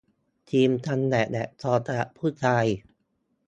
ครีมกันแดดแบบซองสำหรับผู้ชาย